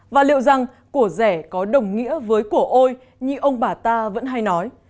và liệu rằng của rẻ có đồng nghĩa với cổ ôi như ông bà ta vẫn hay nói